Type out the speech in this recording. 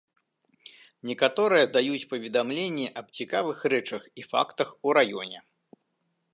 Некаторыя даюць паведамленні аб цікавых рэчах і фактах у раёне.